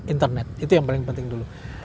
internet itu yang paling penting dulu